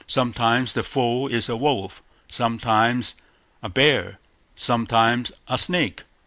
Sometimes the foe is a wolf, sometimes a bear, sometimes a snake.